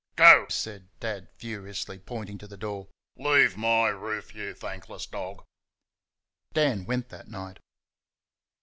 "Go!" said Dad, furiously, pointing to the door, "leave my roof, you thankless dog!" Dan went that night.